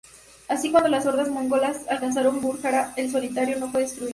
Así, cuando las hordas mongolas alcanzaron Bujará, el santuario no fue destruido.